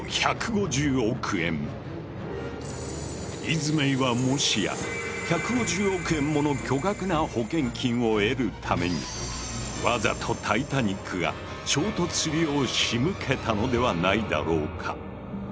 イズメイはもしや１５０億円もの巨額な保険金を得るためにわざとタイタニックが衝突するようしむけたのではないだろうか？